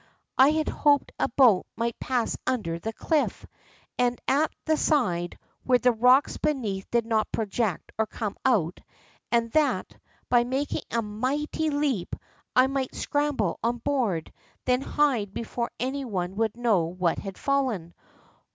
I had hoped a boat might pass under the cliff, and at the side, where the rocks beneath did not project or come out, and that, by making a mighty leap, I might scramble on board, then hide before any one would know what had fallen.